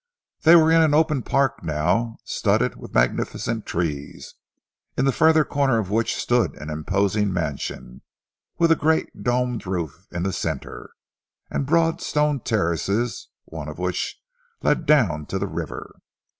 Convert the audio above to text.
They were in an open park now, studded with magnificent trees, in the further corner of which stood an imposing mansion, with a great domed roof in the centre, and broad stone terraces, one of which led down to the river.